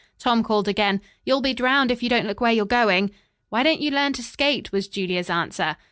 Tom called again: "You'll be drowned, if you don't look where you are going." "Why don't you learn to skate?" was Julia's answer.